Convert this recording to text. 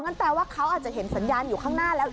แปลว่าเขาอาจจะเห็นสัญญาณอยู่ข้างหน้าแล้ว